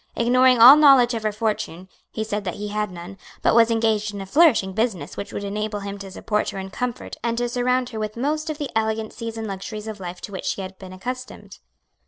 Ignoring all knowledge of her fortune, he said that he had none, but was engaged in a flourishing business which would enable him to support her in comfort and to surround her with most of the elegancies and luxuries of life to which she had been accustomed.